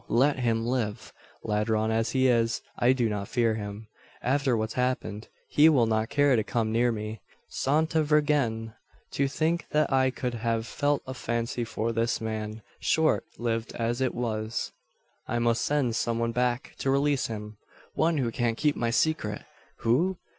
let him live. Ladron as he is, I do not fear him. After what's happened he will not care to come near me. Santa Virgen! to think that I could have felt a fancy for this man short lived as it was! "I must send some one back to release him. One who can keep my secret who?